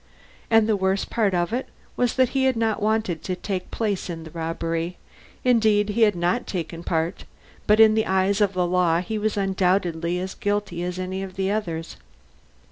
And the worst part of it was that he had not wanted to take part in the robbery, indeed had not taken part but in the eyes of the law he was undoubtedly as guilty as any of the others.